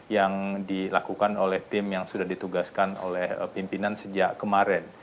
yang dilakukan oleh tim yang sudah ditugaskan oleh pimpinan sejak kemarin